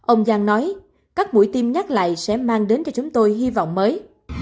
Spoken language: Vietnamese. ông yang nói các mũi tim nhắc lại sẽ mang đến cho chúng tôi hy vọng mới